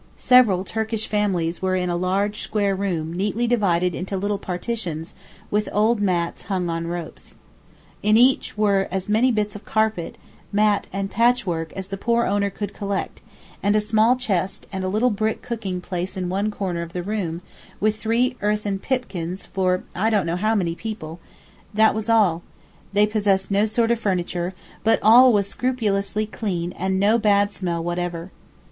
Several Turkish families were in a large square room neatly divided into little partitions with old mats hung on ropes. In each were as many bits of carpet, mat and patchwork as the poor owner could collect, and a small chest and a little brick cooking place in one corner of the room with three earthern pipkins for I don't know how many people;—that was all—they possess no sort of furniture, but all was scrupulously clean and no bad smell whatever.